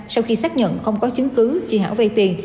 sau khi xác nhận không có chứng cứ chị hảo vay tiền